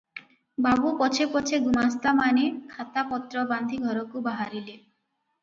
ବାବୁ ପଛେ ପଛେ ଗୁମାସ୍ତାମାନେ ଖାତାପତ୍ର ବାନ୍ଧି ଘରକୁ ବାହାରିଲେ ।